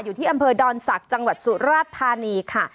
อยู่ที่อำเภอดอนศักดิ์จังหวัดสุราชธานีค่ะ